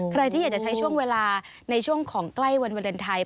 ใครที่อยากจะใช้ช่วงเวลาในช่วงของใกล้วันวาเลนไทย